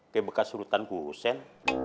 kaya bekas surutan khusen